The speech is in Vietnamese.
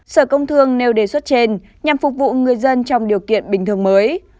sở công thương nêu đề xuất trên nhằm phục vụ người dân trong điều kiện bình thường mới